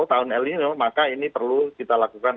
tahun el nino maka ini perlu kita lakukan